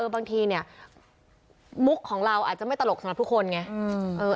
บางทีเนี่ยมุกของเราอาจจะไม่ตลกสำหรับทุกคนไง